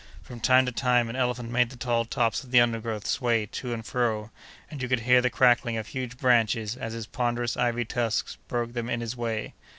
From time to time, an elephant made the tall tops of the undergrowth sway to and fro, and you could hear the crackling of huge branches as his ponderous ivory tusks broke them in his way.